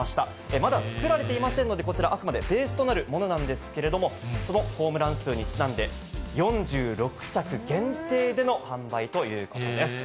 まだ作られていませんので、こちら、あくまでベースとなるものなんですけれども、そのホームラン数にちなんで、４６着限定での販売ということです。